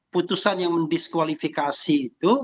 putusan yang mendiskualifikasi itu